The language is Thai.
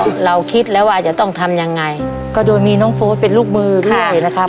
คือเราคิดแล้วว่าจะต้องทำยังไงก็โดยมีน้องโฟสเป็นลูกมือด้วยนะครับ